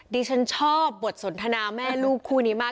ดิฉันชอบบทสนทนาแม่ลูกคู่นี้มาก